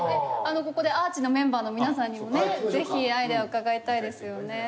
ここでＡＲＣＨのメンバーの皆さんにもねぜひアイデアを伺いたいですよね。